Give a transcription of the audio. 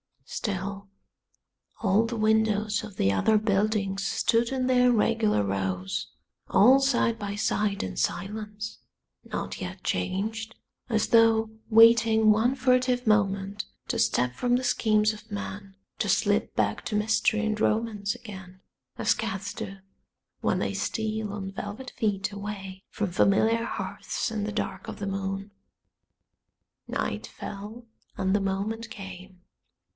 Still all the windows of the other buildings stood in their regular rows all side by side in silence, not yet changed, as though waiting one furtive moment to step from the schemes of man, to slip back to mystery and romance again as cats do when they steal on velvet feet away from familiar hearths in the dark of the moon. Night fell, and the moment came.